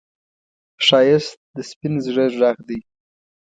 ښایست د سپين زړه غږ دی